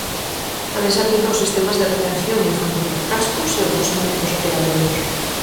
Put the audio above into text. Tamén se aplica aos sistemas de retención infantil, cascos e outros elementos obrigatorios.